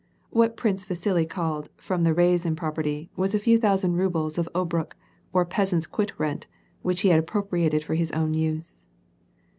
What Prince Vasili called " from the Riazan " property was a few thousand rubles of obrok, or peasant's quit rent, which he had appropriated for his own use.